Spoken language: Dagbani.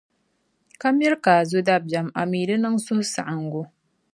ka miri ka a zo dabiεm, ami di niŋ suhusaɣiŋgu.